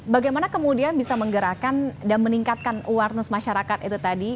bagaimana kemudian bisa menggerakkan dan meningkatkan awareness masyarakat itu tadi